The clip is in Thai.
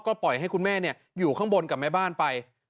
ปล่อยให้คุณแม่อยู่ข้างบนกับแม่บ้านไป